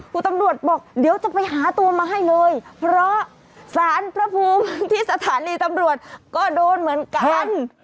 คุณตำรวจบอกเดี๋ยวจะไปหาตัวมาให้เลยเพราะสารพระภูมิที่สถานีตำรวจก็โดนเหมือนกัน